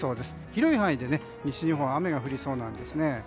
広い範囲で西日本は雨が降りそうです。